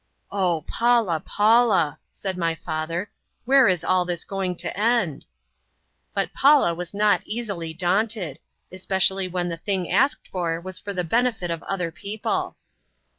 "Oh, Paula, Paula!" said my father "where is all this going to end?" But Paula was not easily daunted, especially when the thing asked for was for the benefit of other people.